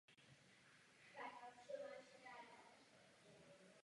Díky svému oblečení se samozřejmě ihned stávají středem pozornosti a to i místního strážníka.